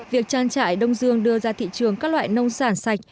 việc trang trại đông dương đưa ra thị trường các loại nông sản sạch